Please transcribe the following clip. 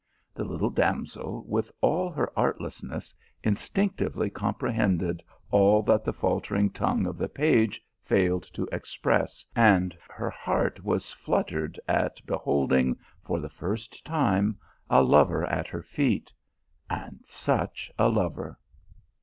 The little damsel, with all her artlessness, instinctively comprehended all that the faltering tongue of the page failed to ex press, and her heart was fluttered at beholding, for the first time, a lover at her feet and such a over